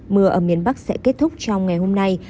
mưa ở miền bắc sẽ kết thúc trong ngày hôm nay